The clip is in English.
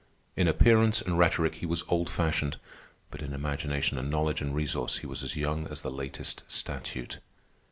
In appearance and rhetoric he was old fashioned, but in imagination and knowledge and resource he was as young as the latest statute.